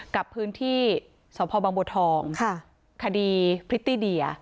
กับพื้นที่สพบังบัวทองคดีพริตตี้เดีย